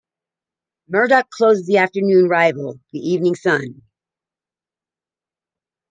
Murdoch closed the afternoon rival "The Evening Sun".